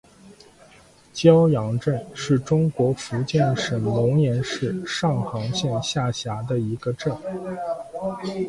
蛟洋镇是中国福建省龙岩市上杭县下辖的一个镇。